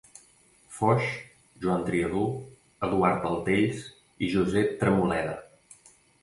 Foix, Joan Triadú, Eduard Artells i Josep Tremoleda.